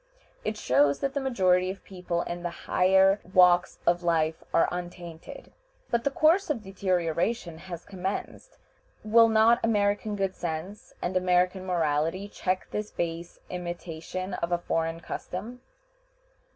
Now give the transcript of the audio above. It shows that the majority of people in the higher walks of life are untainted. But the course of deterioration has commenced. Will not American good sense and American morality check this base imitation of a foreign custom?